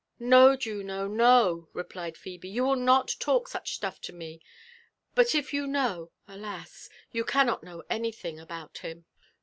"No, Juno, no," replied Phebe, "you will not talk such sUiff to roe: but if you know— alas! you cannot know anything about him."